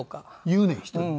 言うねん人に。